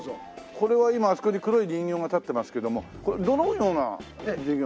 これは今あそこに黒い人形が立ってますけどもこれはどのような授業？